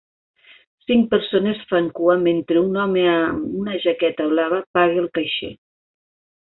Cinc persones fan cua mentre un home amb una jaqueta blava paga al caixer.